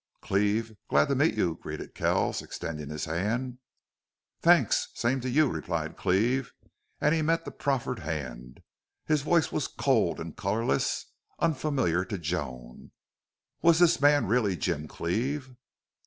"Cleve, glad to meet you," greeted Kells, extending his hand. "Thanks. Same to you," replied Cleve, and he met the proffered hand. His voice was cold and colorless, unfamiliar to Joan. Was this man really Jim Cleve?